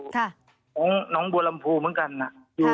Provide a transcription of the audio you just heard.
ของน้องบัวลำพูเหมือนกันนะ